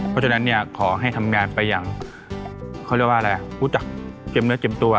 เพราะฉะนั้นเนี้ยขอให้ทำงานไปอย่างเขาเรียกว่าอะไรอ่ะพูดจากเจ็บเนื้อเจ็บตัว